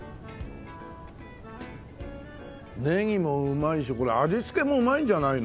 ネギもうまいしこれ味付けもうまいんじゃないの？